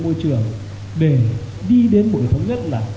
vô trường để đi đến buổi tháng nhất là